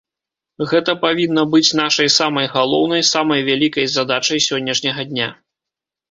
Гэта павінна быць нашай самай галоўнай, самай вялікай задачай сённяшняга дня.